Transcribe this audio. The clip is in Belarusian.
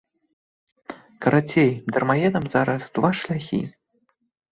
Карацей, дармаедам зараз два шляхі.